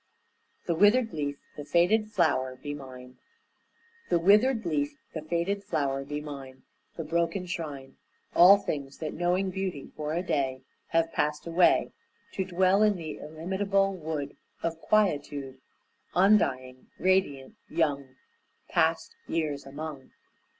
THE WITHERED LEAF, THE FADED FLOWER BE MINE The withered leaf, the faded flower be mine, The broken shrine, All things that knowing beauty for a day Have passed away To dwell in the illimitable wood Of quietude, Undying, radiant, young, Passed years among.